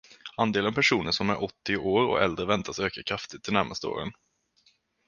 Andelen personer som är åttio år och äldre väntas öka kraftigt de närmaste åren.